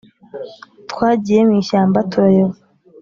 twagiye mw’ishyamba turayoba